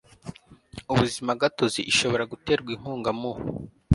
ubuzimagatozi ishobora guterwa inkunga mu